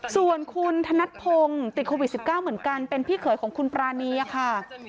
ส่วนคุณธนัดพงศ์ติดโควิด๑๙เหมือนกันเป็นพี่เขยของคุณปรานีค่ะ